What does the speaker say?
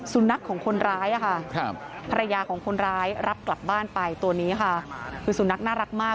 สุนัขของคนร้ายค่ะภรรยาของคนร้ายรับกลับบ้านไปตัวนี้ค่ะคือสุนัขน่ารักมาก